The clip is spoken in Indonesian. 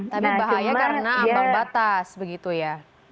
tapi bahaya karena ambang batas begitu ya